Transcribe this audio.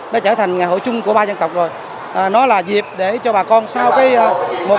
nó trở thành một cái nét đặc trưng của đồng bào khmer